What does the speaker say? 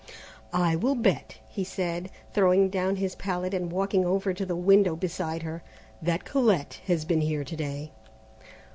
"I will bet," he said, throwing down his palette and walking over to the window beside her, "that Colette has been here to day."